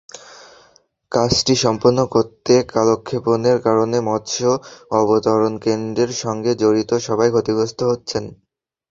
কাজটি সম্পন্ন করতে কালক্ষেপণের কারণে মৎস্য অবতরণকেন্দ্রের সঙ্গে জড়িত সবাই ক্ষতিগ্রস্ত হচ্ছেন।